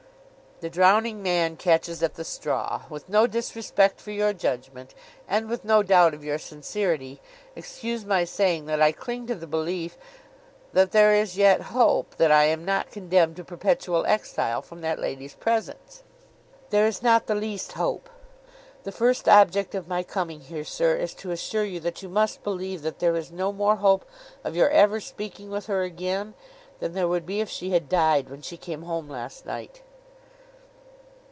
'The drowning man catches at the straw. With no disrespect for your judgment, and with no doubt of your sincerity, excuse my saying that I cling to the belief that there is yet hope that I am not condemned to perpetual exile from that lady's presence.' 'There is not the least hope. The first object of my coming here, sir, is to assure you that you must believe that there is no more hope of your ever speaking with her again, than there would be if she had died when she came home last night.